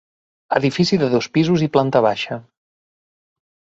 Edifici de dos pisos i planta baixa.